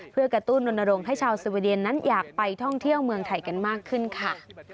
เพื่อกระตุ้นรณรงค์ให้ชาวสวีเดียนนั้นอยากไปท่องเที่ยวเมืองไทยกันมากขึ้นค่ะ